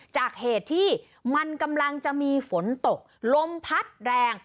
จากเหตุที่มันกำลังจะมีฝนตกลมพัดแรง